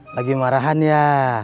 lagi marahan ya